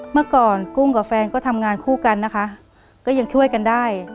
เมื่อก่อนกุ้งกับแฟนก็ทำงานคู่กันนะคะก็ยังช่วยกันได้